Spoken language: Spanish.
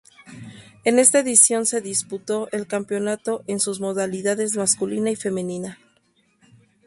En esta edición se disputó el campeonato en sus modalidades masculina y femenina.